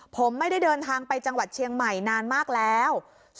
ผมไม่ได้เดินทางไปจังหวัดเชียงใหม่นานมากแล้ว